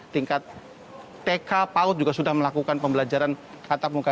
tingkat tk pau juga sudah melakukan pembelajaran atap muka